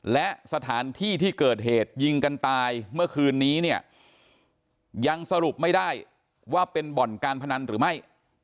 และสถานที่ที่เกิดเหตุยิงกันตายเมื่อคืนนี้เนี่ยยังสรุปไม่ได้ว่าเป็นบ่อนการพนันหรือไม่